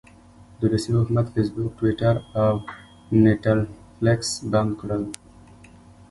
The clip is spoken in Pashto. د روسيې حکومت فیسبوک، ټویټر او نیټفلکس بند کړل.